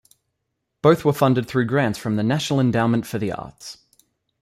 Both were funded through grants from the National Endowment for the Arts.